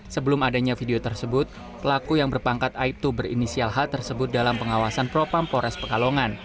sebelum adanya video tersebut pelaku yang berpangkat aibtu berinisial h tersebut dalam pengawasan propam pores pekalongan